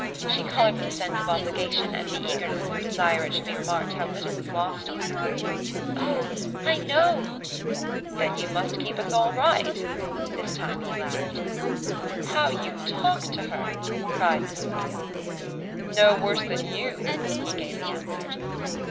She coloured with a sense of obligation and the eagerness of her desire it should be remarked how little was lost on her. "Oh I know!" "Then you must keep us all right!" This time he laughed. "How you talk to her!" cried Mrs. Beale. "No worse than you!" he gaily answered.